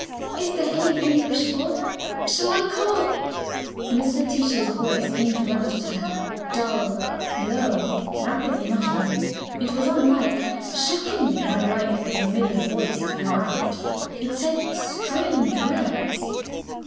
"Is there anything you wish for? Shall I call ?" Miss Letitia's voice interrupted her. Dull, low, rapidly muttering, it was unlike, shockingly unlike, the familiar voice of her aunt. It said strange words.